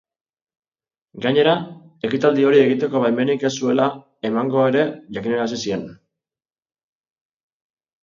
Gainera, ekitaldi hori egiteko baimenik ez zuela emango ere jakinarazi zien.